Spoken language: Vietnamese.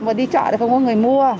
mà đi chợ thì không có người mua